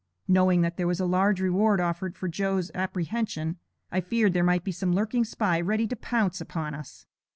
Knowing that there was a large reward offered for Joe's apprehension, I feared there might be some lurking spy ready to pounce upon us.